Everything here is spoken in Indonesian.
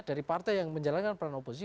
dari partai yang menjalankan peran oposisi